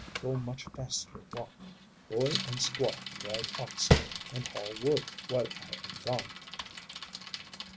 Go much faster walk. Boy and squaw drive oxen and haul wood while I am gone."